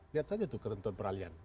lihat saja tuh ketentuan peralihan